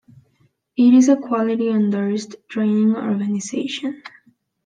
It is a Quality Endorsed Training Organisation.